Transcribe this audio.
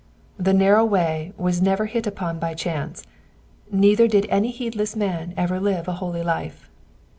The narrow way was never hit upon by chance, neither did any heedless man ever lead a holy life.